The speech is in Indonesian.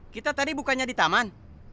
kita tadi bukannya di taman